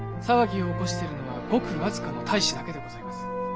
騒ぎを起こしているのはごくわずかの隊士だけでございます。